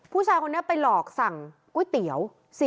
ผู้ชายคนนี้ไปหลอกสั่งก๋วยเตี๋ยว